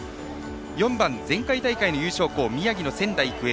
４番、前回大会の優勝校宮城の仙台育英。